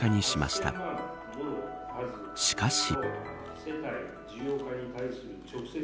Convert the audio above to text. しかし。